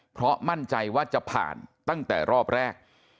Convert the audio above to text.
เพราะมั่นใจว่าจะผ่านตั้งแต่รอบแรก